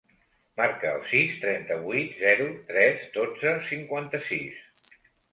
Marca el sis, trenta-vuit, zero, tres, dotze, cinquanta-sis.